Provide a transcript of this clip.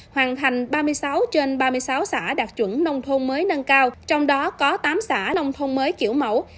hoàn thành ba mươi sáu trên ba mươi sáu xã đạt chuẩn nông thôn mới nâng cao trong đó có tám xã nông thôn mới kiểu mẫu